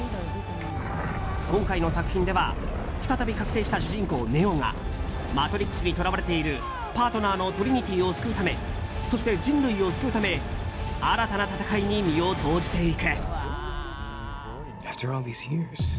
今回の作品では再び覚醒した主人公ネオがマトリックスにとらわれているパートナーのトリニティーを救うためそして、人類を救うため新たな戦いに身を投じていく。